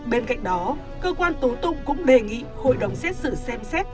bên cạnh đó cơ quan tố tụng cũng đề nghị hội đồng xét xử xem xét